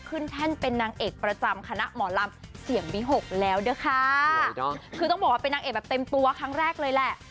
แท่นเป็นนางเอกประจำคณะหมอลำเสียงบีหกแล้วด้วยค่ะคือต้องบอกว่าเป็นนางเอกแบบเต็มตัวครั้งแรกเลยแหละ